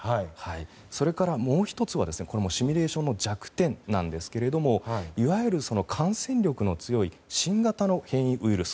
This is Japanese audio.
それから、もう１つは、これはシミュレーションの弱点ですがいわゆる感染力の強い新型の変異ウイルス。